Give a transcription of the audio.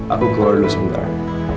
aku keluar dulu sebentar